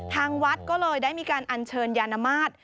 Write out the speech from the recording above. ทางวัดก็เลยได้มีการอัญเชิญยานมาตร